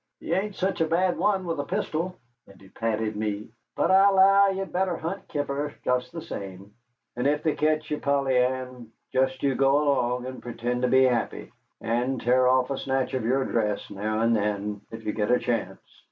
"He ain't such a bad one with a pistol," and he patted me, "but I allow ye'd better hunt kiver just the same. And if they ketch ye, Polly Ann, just you go along and pretend to be happy, and tear off a snatch of your dress now and then, if you get a chance.